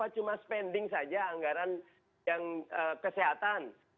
cuma spending saja anggaran yang kesehatan